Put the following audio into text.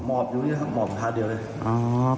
หมอบอยู่หมอบภาพเดียวเลย